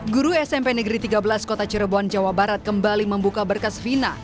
guru smp negeri tiga belas kota cirebon jawa barat kembali membuka berkas vina